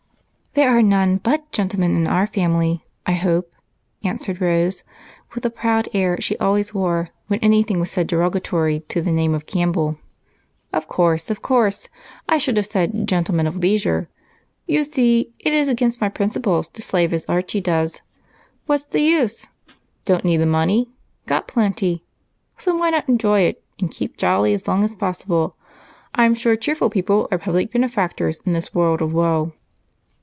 "There are none but gentlemen in our family, I hope," answered Rose, with the proud air she always wore when anything was said derogatory to the name of Campbell. "Of course, of course. I should have said gentleman of leisure. You see it is against my principles to slave as Archie does. What's the use? Don't need the money, got plenty, so why not enjoy it and keep jolly as long as possible? I'm sure cheerful people are public benefactors in this world of woe."